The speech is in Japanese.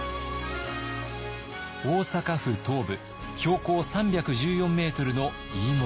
大阪府東部標高３１４メートルの飯盛山。